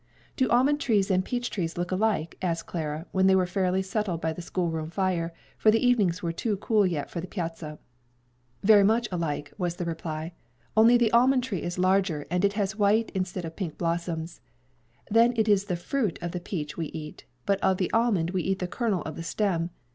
"Do almond trees and peach trees look alike?" asked Clara, when they were fairly settled by the schoolroom fire; for the evenings were too cool yet for the piazza. "Very much alike," was the reply; "only the almond tree is larger and it has white instead of pink blossoms. Then it is the fruit of the peach we eat, but of the almond we eat the kernel of the stem.